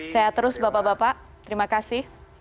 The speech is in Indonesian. sehat terus bapak bapak terima kasih